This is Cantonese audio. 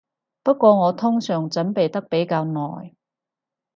不過我通常準備得比較耐